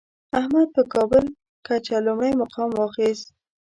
احمد په کابل کچه لومړی مقام واخیست.